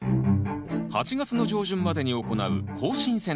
８月の上旬までに行う更新剪定。